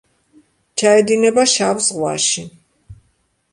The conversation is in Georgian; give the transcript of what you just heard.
ჩაედინება შავ ზღვაში.